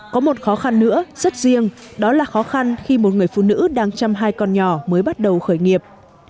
có một khó khăn nữa rất riêng đó là khó khăn khi một người phụ nữ đang chăm hai con nhỏ mới bắt đầu khởi nghiệp